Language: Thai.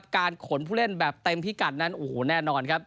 การขนผู้เล่นแบบเต็มพิกัดนั้นโอ้โหแน่นอนครับ